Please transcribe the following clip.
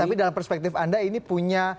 tapi dalam perspektif anda ini punya